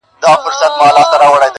نور لاس کي کتاب راکه قلم راکه-